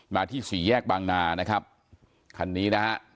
มาที่ศรีแยกบางดาคันนี้